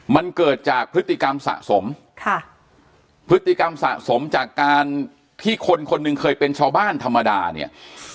มันเกิดจากพฤติกรรมสะสมค่ะพฤติกรรมสะสมจากการที่คนคนหนึ่งเคยเป็นชาวบ้านธรรมดาเนี่ย